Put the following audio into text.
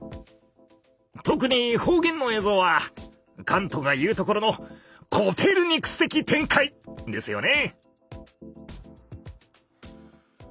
特に方言の映像はカントが言うところの「コペルニクス的転回」ですよね。